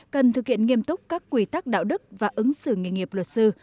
cần thực hiện nghiêm túc các quy tắc đạo đức và ứng xử nghề nghiệp luật sư